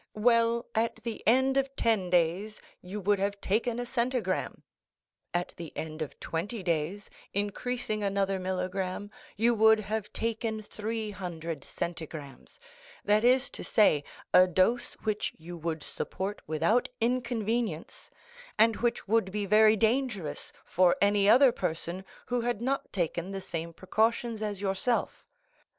Well, at the end of ten days you would have taken a centigramme, at the end of twenty days, increasing another milligramme, you would have taken three hundred centigrammes; that is to say, a dose which you would support without inconvenience, and which would be very dangerous for any other person who had not taken the same precautions as yourself.